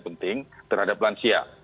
penting terhadap lansia